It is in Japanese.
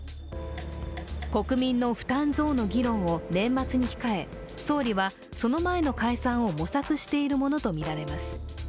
国民の負担増の議論を年末に控え、総理はその前の解散を模索しているものとみられます。